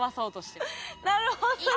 なるほどね。